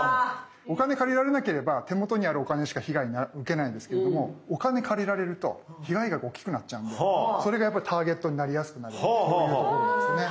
お金借りられなければ手元にあるお金しか被害受けないんですけれどもお金借りられると被害額が大きくなっちゃうんでそれがやっぱりターゲットになりやすくなるそういうところなんですね。